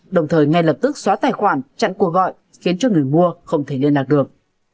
đồng thời ngay lập tức xóa tài khoản chặn cuộc gọi khiến cho người mua không thể liên lạc được